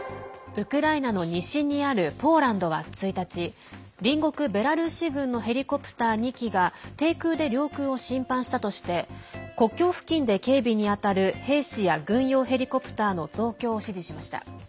ウクライナの西にあるポーランドは１日隣国ベラルーシ軍のヘリコプター２機が低空で領空を侵犯したとして国境付近で警備に当たる兵士や軍用ヘリコプターの増強を指示しました。